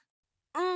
うん。